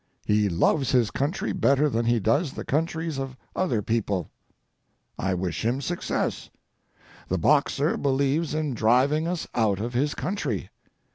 He loves his country better than he does the countries of other people. I wish him success. The Boxer believes in driving us out of his country.